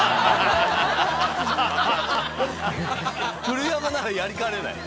古山ならやりかねない。